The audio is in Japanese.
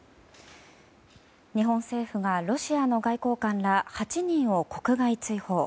日本政府がロシアの外交官ら８人を国外追放。